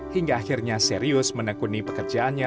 hingga akhirnya serius menekuni pekerjaannya